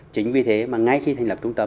chính vì thế mà ngay khi thành lập trung tâm